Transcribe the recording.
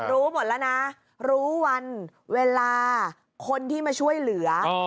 รู้หมดแล้วนะรู้วันเวลาคนที่มาช่วยเหลือ